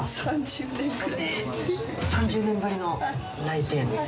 ３０年ぶりの来店。